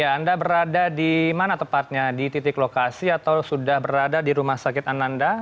anda berada di mana tepatnya di titik lokasi atau sudah berada di rumah sakit ananda